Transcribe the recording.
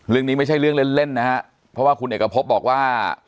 เรื่องนี้ไม่ใช่เรื่องเล่นนะครับเพราะว่าคุณเอกพบบอกว่า